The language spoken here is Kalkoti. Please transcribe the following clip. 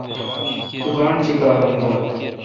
تو گاݨڈہ چیکارم دوں۔